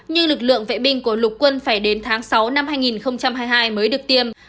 như lực lượng vệ binh của lục quân phải đến tháng sáu năm hai nghìn hai mươi hai mới được tiêm